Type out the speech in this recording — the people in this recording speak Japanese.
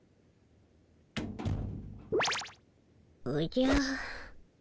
おじゃ？